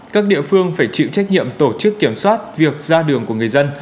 các địa phương phải chịu trách nhiệm tổ chức kiểm soát việc ra đường của người dân